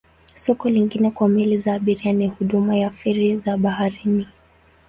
Soko lingine kwa meli za abiria ni huduma ya feri za baharini.